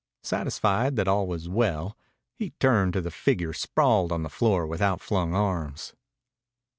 Satisfied that all was well, he turned to the figure sprawled on the floor with outflung arms.